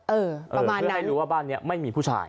เออประมาณนั้นเพื่อให้รู้ว่าบ้านนี้ไม่มีผู้ชาย